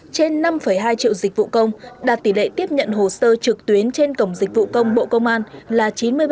trên năm hai triệu dịch vụ công đạt tỷ lệ tiếp nhận hồ sơ trực tuyến trên cổng dịch vụ công bộ công an là chín mươi ba